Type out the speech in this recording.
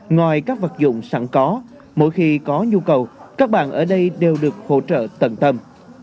ngoài các vật dụng sẵn có mỗi khi có nhu cầu các bạn ở đây đều được hỗ trợ tận tâm